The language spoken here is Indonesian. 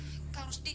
kau harus di